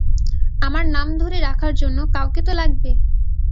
আমার নাম ধরে রাখার জন্য কাউকে তো লাগবে।